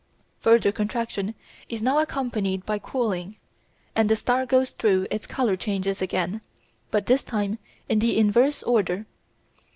Further contraction is now accompanied by cooling, and the star goes through its colour changes again, but this time in the inverse order.